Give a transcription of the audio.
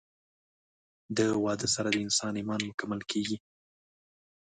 د واده سره د انسان ايمان مکمل کيږي